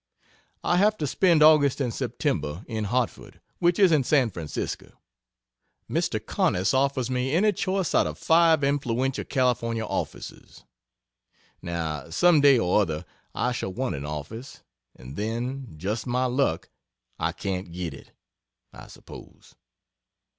I have to spend August and September in Hartford which isn't San Francisco. Mr. Conness offers me any choice out of five influential California offices. Now, some day or other I shall want an office and then, just my luck, I can't get it, I suppose.